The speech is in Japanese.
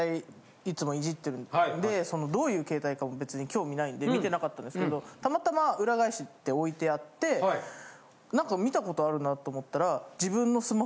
いつもイジってるんでどういう携帯か別に興味ないんで見てなかったんですけどたまたま裏返して置いてあってなんか見たことあるなと思ったら。